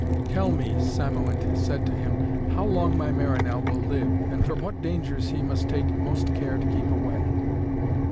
'Tell me,' Cymoënt said to him, 'how long my Marinell will live, and from what dangers he must take most care to keep away.'